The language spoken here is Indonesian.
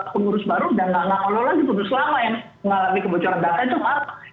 pengurus baru udah nggak nolong lagi pengurus selama yang mengalami kebocoran data itu apa